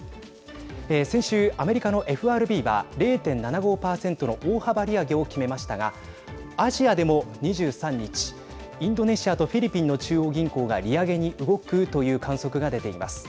先週、アメリカのＦＲＢは０．７５％の大幅利上げを決めましたがアジアでも２３日インドネシアとフィリピンの中央銀行が利上げに動くという観測が出ています。